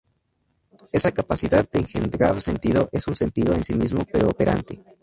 Esa capacidad de engendrar sentido es un sentido en sí mismo pero operante.